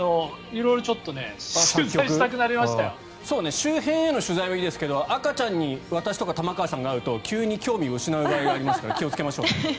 周辺への取材はいいですけど赤ちゃんに私とか玉川さんが会うと急に興味を失う場合があるから気をつけましょうね。